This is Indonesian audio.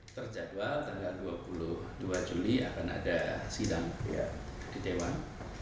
terjadwal tanggal dua puluh dua juli akan ada sidang di dewan